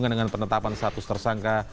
dengan penetapan status tersangka